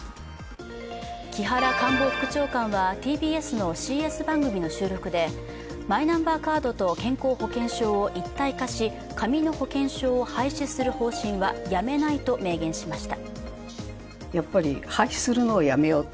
木原官房副長官は、ＴＢＳのＣＳ番組の収録で、マイナンバーカードと健康保険証を一体化し紙の保険証を廃止する方針はやめないと明言しました。